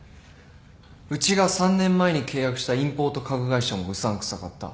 うちが３年前に契約したインポート家具会社もうさんくさかった。